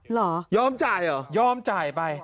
ยอมจ่ายเหรอยอมจ่ายไป